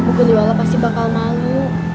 bu guliola pasti bakal malu